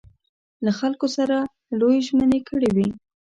له خلکو سره لویې ژمنې کړې وې.